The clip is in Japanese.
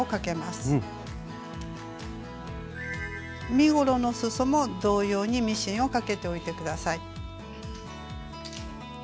身ごろのすそも同様にミシンをかけておいて下さい。